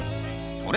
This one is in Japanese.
それ。